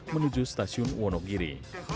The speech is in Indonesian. menuju stasiun wonogiri